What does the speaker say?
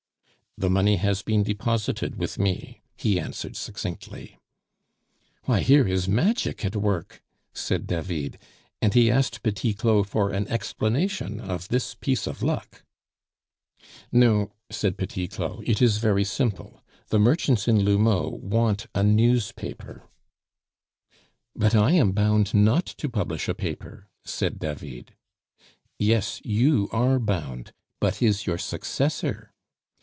"The money has been deposited with me," he answered succinctly. "Why, here is magic at work!" said David, and he asked Petit Claud for an explanation of this piece of luck. "No," said Petit Claud, "it is very simple. The merchants in L'Houmeau want a newspaper." "But I am bound not to publish a paper," said David. "Yes, you are bound, but is your successor?